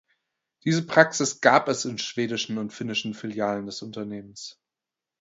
Diese Praxis gab es in schwedischen und finnischen Filialen des Unternehmens.